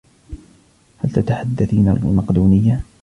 هل تتحدث المقدونية؟